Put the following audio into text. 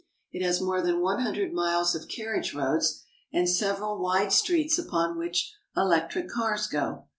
It has more than one hundred miles of carriage roads, and several wide streets upon which electric cars go.